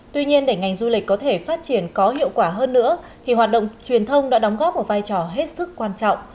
tuy nhiên để ngành du lịch có thể phát triển có hiệu quả hơn nữa thì hoạt động truyền thông đã đóng góp một vai trò hết sức quan trọng